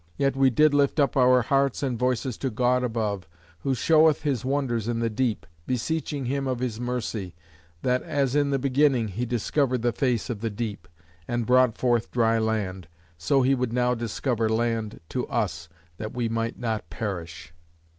Yet we did lift up our hearts and voices to God above, who showeth his wonders in the deep, beseeching him of his mercy, that as in the beginning he discovered the face of the deep, and brought forth dry land, so he would now discover land to us, that we might not perish.